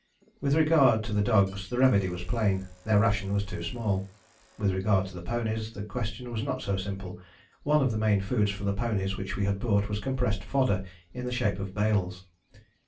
With regard to the dogs the remedy was plain; their ration was too small. With regard to the ponies the question was not so simple. One of the main foods for the ponies which we had brought was compressed fodder in the shape of bales.